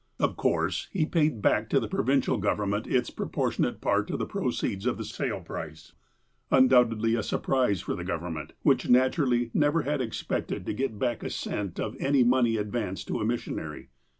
Of course, he paid back to the provincial government its proportionate part of the proceeds of the sale price, undoubtedly a surprise for the government, which nat urally never had expected to get back a cent of any money advanced to a missionary.